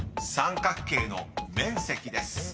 ［三角形の面積です］